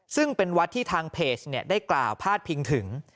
ซึ่งเป็นวัดที่ทางเพจได้กล่าวพาดพิงถึง